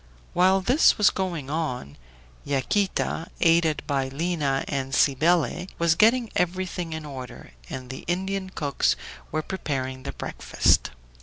While this was going on, Yaquita, aided by Lina and Cybele, was getting everything in order, and the Indian cooks were preparing the breakfast.